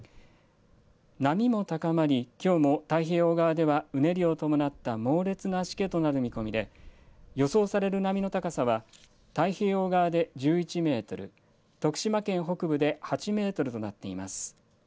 波も高まり、きょうも太平洋側では、うねりを伴った猛烈なしけとなる見込みで、予想される波の高さは太平洋側で１１メートル、徳島県北部で８メートルとなっています。